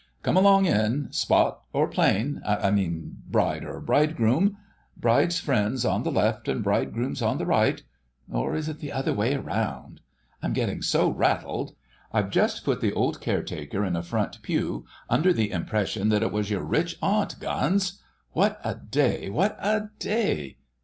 "Come along in—spot or plain?—I mean Bride or Bridegroom? Bride's friends on the left and Bridegroom's on the right—or is it the other way about? I'm getting so rattled.... I've just put the old caretaker in a front pew under the impression that it was your rich aunt, Guns! What a day, what a day!